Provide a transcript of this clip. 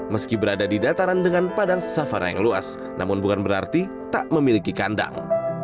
meski berada di dataran dengan padang safara yang luas namun bukan berarti tak memiliki kandang